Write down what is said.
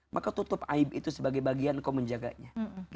maka tutup aib itu sebagai bagian kau menjaganya